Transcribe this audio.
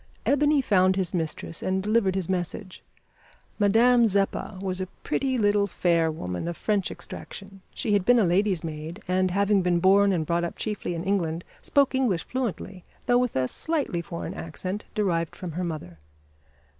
Ebony found his mistress and delivered his message. Madame Zeppa was a pretty little fair woman, of French extraction. She had been a lady's maid, and, having been born and brought up chiefly in England, spoke English fluently, though with a slightly foreign accent derived from her mother.